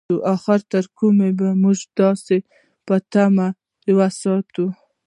اخر تر کومې به مونږ داسې په تمه يو ستا؟